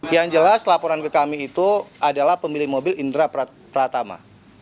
yang jelas laporan ke kami itu adalah pemilik mobil indra pratama